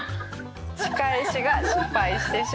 仕返しが失敗してしまいました。